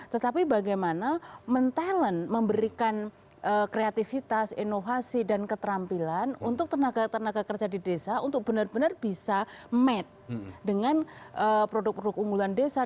tetapi bagaimana men talent memberikan kreativitas inovasi dan keterampilan untuk tenaga tenaga kerja di desa untuk benar benar bisa mat dengan produk produk unggulan desa